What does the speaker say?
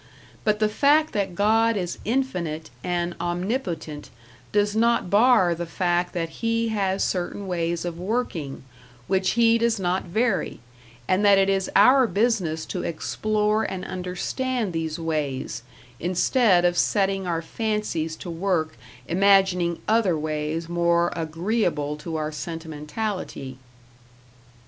But the fact that God is Infinite and Omnipotent does not bar the fact that He has certain ways of working, which He does not vary; and that it is our business to explore and understand these ways, instead of setting our fancies to work imagining other ways more agreeable to our sentimentality.